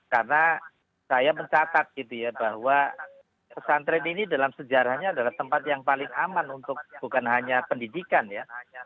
karena saya mencatat gitu ya bahwa pesantren ini dalam sejarahnya adalah tempat yang paling aman untuk bukan hanya pendidikan ya